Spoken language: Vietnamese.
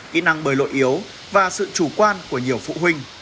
kỹ năng bơi lội yếu và sự chủ quan của nhiều phụ huynh